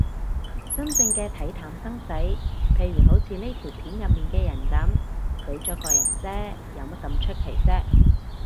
真正嘅睇淡生死，譬如好似呢條片入面嘅人噉，死咗個人嗟，有乜咁出奇啫